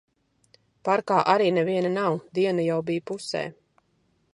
Parkā arī neviena nav. Diena jau bija pusē.